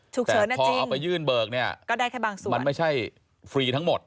พอเอาไปยื่นเบิกเนี่ยก็ได้แค่บางส่วนมันไม่ใช่ฟรีทั้งหมด